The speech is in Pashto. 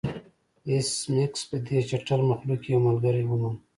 ایس میکس په دې چټل مخلوق کې یو ملګری وموند